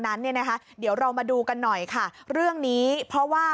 นั้นเนี่ยนะคะเดี๋ยวเรามาดูกันหน่อยค่ะเรื่องนี้เพราะว่า